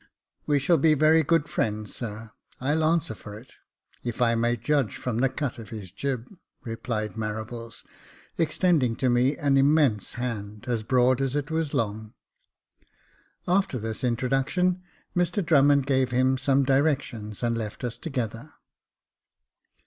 " "We shall be very good friends, sir, I'll answer for it, if I may judge from the cut of his jib," replied Marables, extending to me an immense hand, as broad as it was long. After this introduction, Mr Drummond gave him some directions, and left us together.